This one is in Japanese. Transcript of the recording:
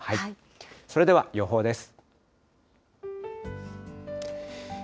それでは予報です。